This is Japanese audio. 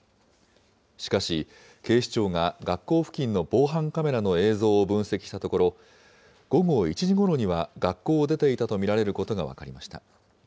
しかし、警視庁が学校付近の防犯カメラの映像を分析したところ、午後１時ごろには学校を出ていたと見られることが分かりました。